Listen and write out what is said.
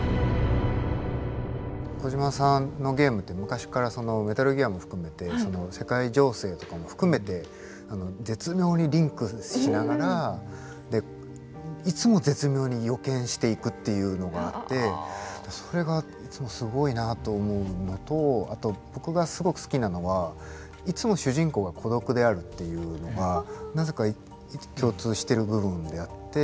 小島さんのゲームって昔から「メタルギア」も含めて世界情勢とかも含めて絶妙にリンクしながらいつも絶妙に予見していくっていうのがあってそれがいつもすごいなと思うのとあと僕がすごく好きなのはいつも主人公が孤独であるっていうのがなぜか共通してる部分であって。